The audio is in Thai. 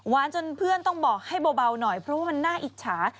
จนเพื่อนต้องบอกให้เบาหน่อยเพราะว่ามันน่าอิจฉา